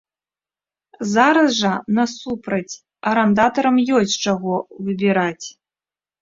Зараз жа, насупраць, арандатарам ёсць з чаго выбіраць.